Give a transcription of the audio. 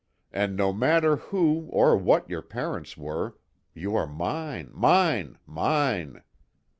And no matter who, or what your parents were, you are mine, mine, mine!"